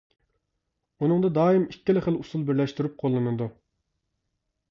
ئۇنىڭدا دائىم ئىككىلا خىل ئۇسۇل بىرلەشتۈرۈپ قوللىنىلىدۇ.